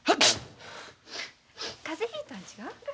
風邪ひいたん違う？